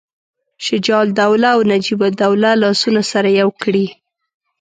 شجاع الدوله او نجیب الدوله لاسونه سره یو کړي.